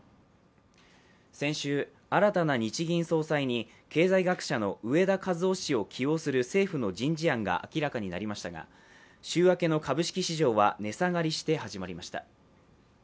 先週、新たな日銀総裁に経済学者の植田和男氏を起用する政府の人事案が明らかになりましたが、週明けの株式市場は値下がりして始まりました。